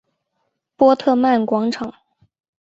波特曼广场。